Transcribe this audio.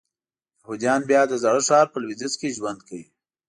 یهودیان بیا د زاړه ښار په لویدیځ کې ژوند کوي.